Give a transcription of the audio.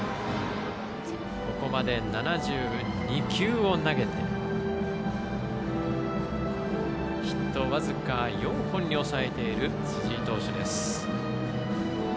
ここまで７２球を投げてヒット僅か４本に抑えている辻井投手です。